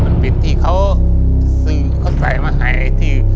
มันเป็นที่เขาสือเขาใส่มาให้